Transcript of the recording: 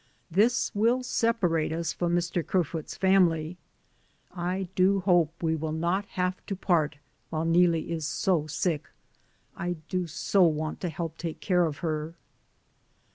This will separate us from Mr. Ker foot's family; I do hope we will not have to part while Neelie is so sick. I do so want to help take care of her.